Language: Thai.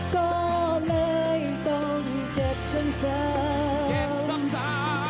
ก็ไม่ต้องเจ็บซ้ำซ้ำ